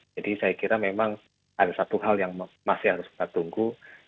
jadi saya kira memang ada satu hal yang masih harus kita tunggu yaitu persiapan